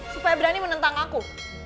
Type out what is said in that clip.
supaya berani menentang aku